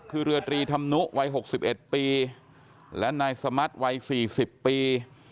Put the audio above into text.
คือเรือตรีธรรมนุวัย๖๑ปีและนายสมัติวัย๔๐ปี